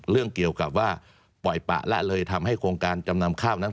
เรื่องเกี่ยวกับว่าปล่อยปะละเลยทำให้โครงการจำนำข้าวนั้น